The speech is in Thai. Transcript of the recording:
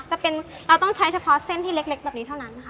จะเป็นเราต้องใช้เฉพาะเส้นที่เล็กแบบนี้เท่านั้นนะคะ